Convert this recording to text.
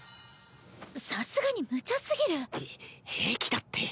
さすがにむちゃすぎる。へ平気だって。